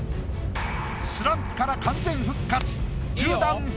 スランプから完全復活。